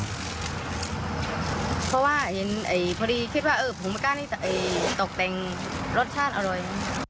เพราะว่าพอดีคิดว่าผงปลาปริก้านี่ตกเป็นรสชาติอร่อย